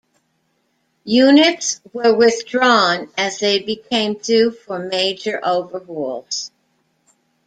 Units were withdrawn as they became due for major overhauls.